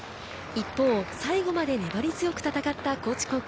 一方、最後まで粘り強く戦った高知高校。